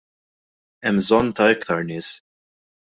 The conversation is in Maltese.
Hemm bżonn ta' iktar nies.